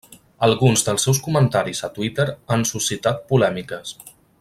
Alguns dels seus comentaris a Twitter han suscitat polèmiques.